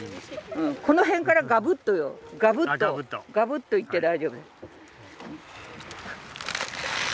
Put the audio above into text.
この辺からガブっとガブっとガブっといって大丈夫です。